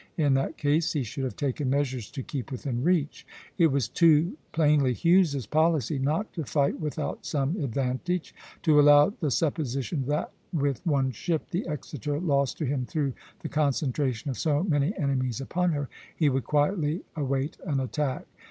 In that case he should have taken measures to keep within reach. It was too plainly Hughes's policy not to fight without some advantage, to allow the supposition that with one ship, the "Exeter," lost to him through the concentration of so many enemies upon her, he would quietly await an attack.